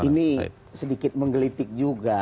ini sedikit menggelitik juga